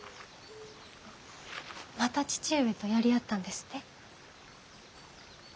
また義父上とやり合ったんですって。